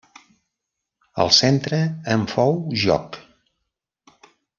El centre en fou Jóc.